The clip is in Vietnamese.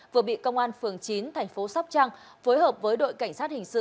vừa bị công an phường chín thành phố sóc trăng phối hợp với đội cảnh sát hình sự